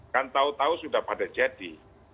kan tau tau sudah pada jadi